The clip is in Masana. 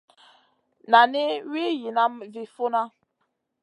Nani mi Wii yihna vi funna.